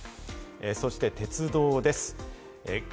そして鉄道です。